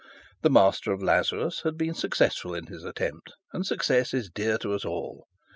The Master of Lazarus had been successful in his attempt, and success is dear to us all.